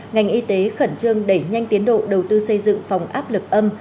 ngành y tế khẩn trương đẩy nhanh tiến độ đầu tư xây dựng phòng áp lực âm